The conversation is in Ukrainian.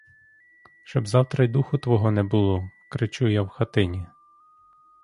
Щоб завтра й духу твого не було, — кричу я в хатині.